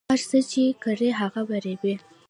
هر څه چې کرې هغه به ریبې